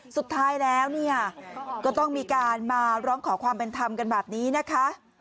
สุดท้ายแล้วเนี่ยก็ต้องมีการมาร้องขอความเป็นธรรมกันแบบนี้นะคะ